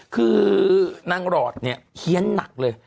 คือนางหลอดเนี่ยเฮียนหนักเลย